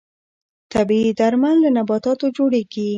طبیعي درمل له نباتاتو جوړیږي